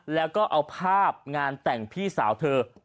แล้วก็เอาภาพงานแต่งพี่สาวเธอ